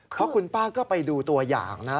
เพราะคุณป้าก็ไปดูตัวอย่างนะ